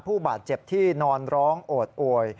ผู้บาดเจ็บที่นอนร้องโอดโอย